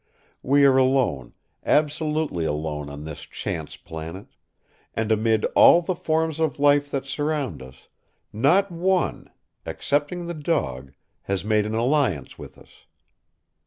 We are alone, absolutely alone on this chance planet; and amid all the forms of life that surround us, not one, excepting the dog, has made an alliance with us.